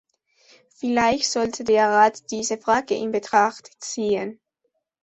Vielleicht sollte der Rat diese Frage in Betracht ziehen.